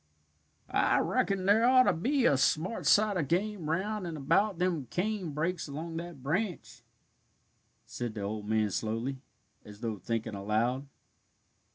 "I reckon there ought to be a smart sight of game round and about them cane brakes along that branch," said the old man slowly, as though thinking aloud.